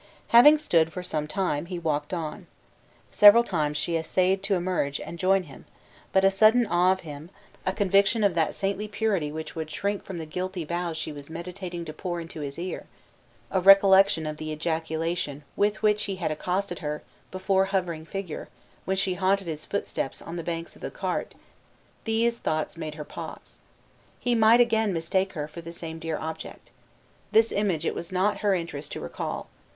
Having stood for some time, he walked on. Several times she essayed to emerge, and join him; but a sudden awe of him, a conviction of that saintly purity which would shrink from the guilty vows she was meditating to pour into his ear, a recollection of the ejaculation with which he had accosted her before hovering figure, when she haunted his footsteps on the banks of the Cart; these thoughts made her pause. He might again mistake her for the same dear object. This image it was not her interest to recall.